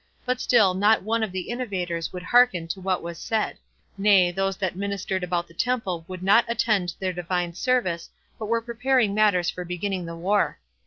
But still not one of the innovators would hearken to what was said; nay, those that ministered about the temple would not attend their Divine service, but were preparing matters for beginning the war.